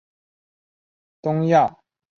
东亚孔雀藓为孔雀藓科孔雀藓属下的一个种。